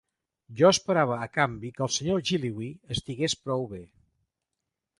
Jo esperava a canvi que el senyor Jellyby estigués prou bé.